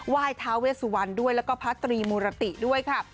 ยท้าเวสุวรรณด้วยแล้วก็พระตรีมุรติด้วยค่ะ